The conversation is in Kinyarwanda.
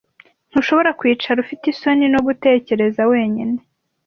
Ntushobora kwicara ufite isoni no gutekereza wenyine